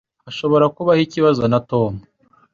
Hashobora kubaho ikibazo na Tom.